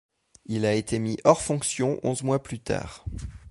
Il a été mis hors fonction onze mois plus tard.